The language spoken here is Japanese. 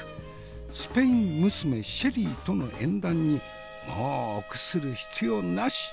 スペイン娘シェリーとの縁談にもう臆する必要なし！